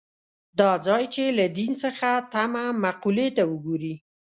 دا ځای چې له دین څخه تمه مقولې ته وګوري.